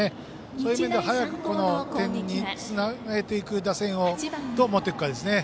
そういう面では早く点につなげていくように打線をどう持っていくかですね。